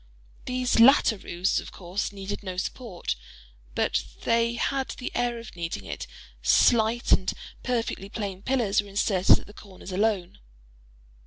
These latter roofs, of course, needed no support; but as they had the air of needing it, slight and perfectly plain pillars were inserted at the corners alone.